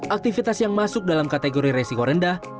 aktivitas yang masuk dalam kategori resiko rendah